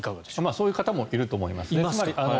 そういう方もいると思います。